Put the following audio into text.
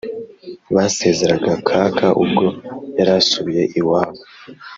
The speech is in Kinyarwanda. basezeraga kaka ubwo yarasubiye iwabo